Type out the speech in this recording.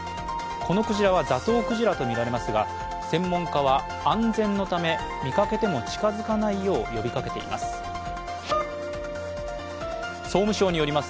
このクジラはザトウクジラとみられますが専門家は、安全のため見かけても近づかないよう呼びかけています。